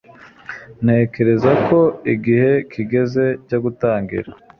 ntekereza ko igihe kigeze cyo gutangira